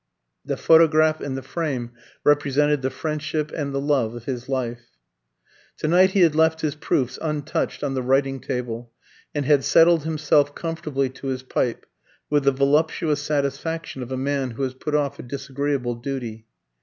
The photograph and the frame represented the friendship and the love of his life. To night he had left his proofs untouched on the writing table, and had settled himself comfortably to his pipe, with the voluptuous satisfaction of a man who has put off a disagreeable duty.